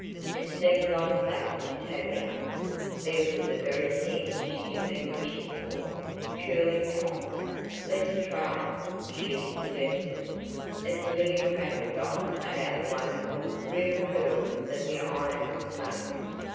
It seemed like fate to Tavia, there was the very thing she had been wishing for curling tongs. "Let's try it," she suggested, as Lily prattled on about the wonderful "real" curls that the iron could make.